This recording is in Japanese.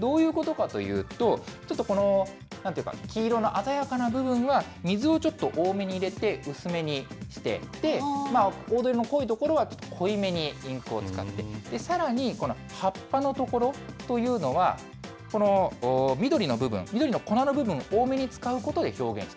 どういうことかというと、ちょっとなんていうか、黄色の鮮やかな部分は、水をちょっと多めに入れて、薄めにして、黄土色の濃いところは、ちょっと濃いめにインクを使って、さらに、葉っぱのところというのは、この緑の部分、緑の粉の部分を多めに使うことで表現した。